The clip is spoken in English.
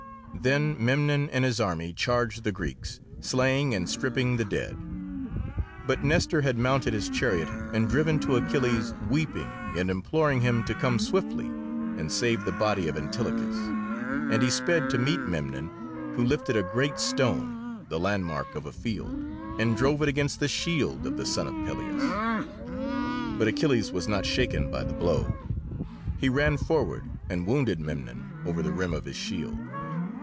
Then Memnon and his army charged the Greeks, slaying and stripping the dead. But Nestor had mounted his chariot and driven to Achilles, weeping, and imploring him to come swiftly and save the body of Antilochus, and he sped to meet Memnon, who lifted a great stone, the landmark of a field, and drove it against the shield of the son of Peleus. But Achilles was not shaken by the blow; he ran forward, and wounded Memnon over the rim of his shield.